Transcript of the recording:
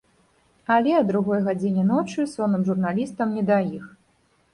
Але а другой гадзіне ночы сонным журналістам не да іх.